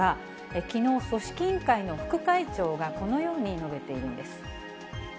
きのう、組織委員会の副会長がこのように述べているんです。